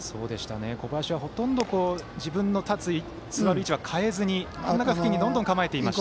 小林は、ほとんど自分の座る位置は変えずに真ん中付近に構えていました。